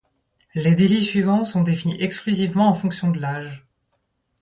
Les délits suivants sont définis exclusivement en fonction de l'âge.